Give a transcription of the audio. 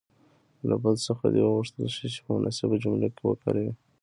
له بل څخه دې وغوښتل شي چې په مناسبه جمله کې وکاروي.